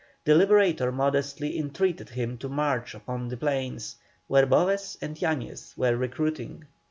The Liberator modestly entreated him to march upon the plains, where Boves and Yañez were recruiting.